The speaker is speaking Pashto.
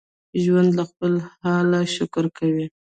ژوندي له خپل حاله شکر کوي